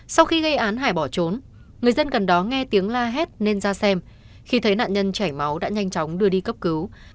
sau khi gây án hải bỏ trốn người dân gần đó nghe tiếng la hét nên ra xem khi thấy nạn nhân chảy máu đã nhanh chóng đưa đi cấp cứu